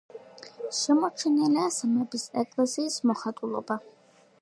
შემორჩენილია სამების ეკლესიის მოხატულობა.